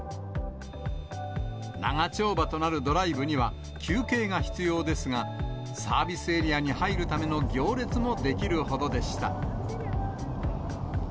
長丁場となるドライブには、休憩が必要ですが、サービスエリアに入るための行列も出来るほどでした。